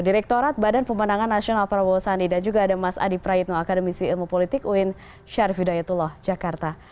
direkturat badan pemenangan nasional prabowo sandi dan juga ada mas adi prayitno akademisi ilmu politik uin syarifudayatullah jakarta